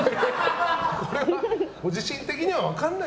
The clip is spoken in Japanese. これはご自身的には分かんない。